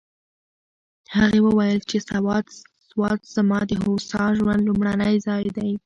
هغې وویل چې سوات زما د هوسا ژوند لومړنی ځای دی.